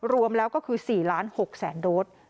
รวมแล้วก็คือ๔๖๐๐๐โดส